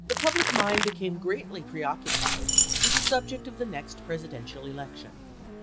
xii. mind became greatly preoccupied with the subject of the next Presidential election.